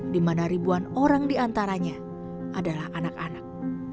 dimana ribuan orang di antaranya adalah anak anak